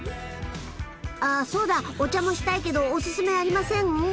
あそうだお茶もしたいけどおススメありません？